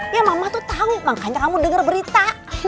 ya mama tuh tau makanya kamu denger berita